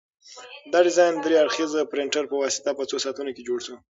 دا ډیزاین د درې اړخیزه پرنټر په واسطه په څو ساعتونو کې جوړ شو.